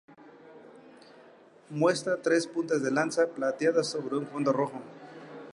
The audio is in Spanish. Muestra tres puntas de lanza plateadas sobre un fondo rojo.